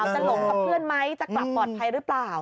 จะหลงกับเพื่อนไหมจะกลับปลอดภัยหรือเปล่า